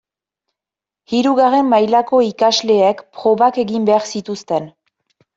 Hirugarren mailako ikasleek probak egin behar zituzten.